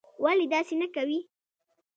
ولي داسې نه کوې?